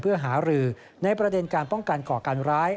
เพื่อหารือในประเด็นการป้องกันก่อการร้าย